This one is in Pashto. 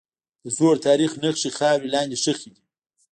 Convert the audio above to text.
د زوړ تاریخ نښې خاورې لاندې ښخي دي.